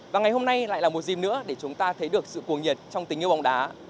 và ngày hôm nay lại là một dìm nữa để chúng ta thấy được sự cuồng nhiệt trong tình yêu bóng đá